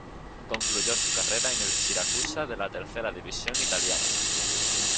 Concluyó su carrera en el Siracusa de la tercera división italiana.